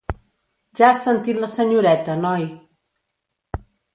Ja has sentit la senyoreta, noi.